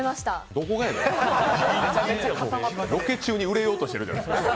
どこがやねん、ロケ中に売れようとしてるじゃないですか。